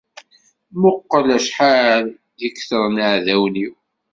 Muqqel acḥal i ketren yiɛdawen-iw.